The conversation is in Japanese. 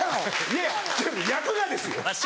いやいや役がですよ。